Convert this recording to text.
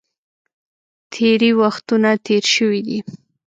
تېرې وختونه تېر شوي دي.